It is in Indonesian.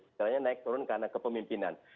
misalnya naik turun karena kepemimpinan